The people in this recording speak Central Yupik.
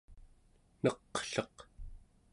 neqleq